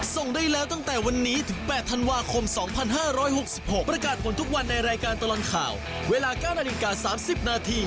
สวัสดีครับ